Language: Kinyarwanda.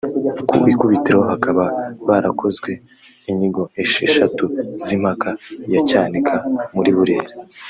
Ku ikubitiro hakaba barakozwe inyingo esheshatu z’imipaka ya Cyanika muri Burera